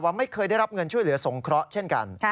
ไม่เคยได้รับเงินช่วยเหลือสงเคราะห์เช่นกัน